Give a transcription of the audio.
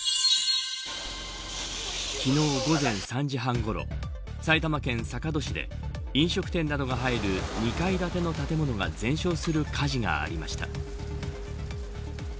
昨日午前３時半ごろ埼玉県坂戸市で飲食店などが入る２階建ての建物が全焼する火事がありました。